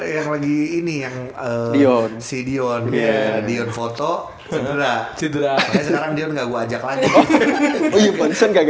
yang lagi ini yang si dion dion foto